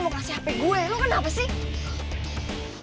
kamu kasih hp gue lo kenapa sih